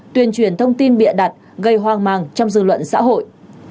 tuyên truyền thông tin bịa đặt gây hoang mang trong dư luận xã hội